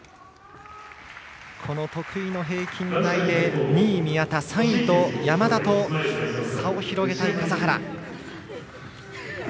この得意の平均台で２位、宮田３位山田と差を広げたい笠原。